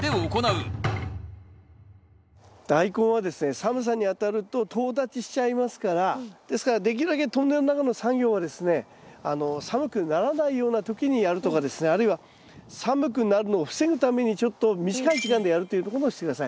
寒さにあたるととう立ちしちゃいますからですからできるだけトンネルの中の作業はですね寒くならないような時にやるとかですねあるいは寒くなるのを防ぐためにちょっと短い時間でやるということをして下さい。